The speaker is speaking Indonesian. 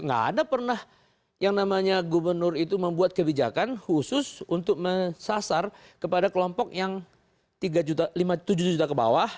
nggak ada pernah yang namanya gubernur itu membuat kebijakan khusus untuk sasar kepada kelompok yang lima tujuh juta ke bawah